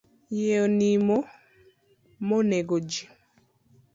Yie onimo mo negoji.